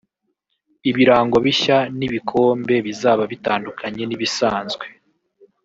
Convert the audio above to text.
ibirango bishya n'ibikombe bizaba bitandukanye n'ibisanzwe"